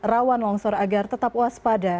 rawan longsor agar tetap waspada